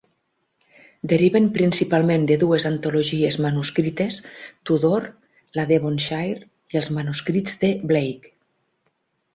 Deriven principalment de dues antologies manuscrites Tudor, la Devonshire i els manuscrits de Blage.